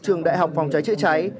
trường đại học phòng cháy chữa cháy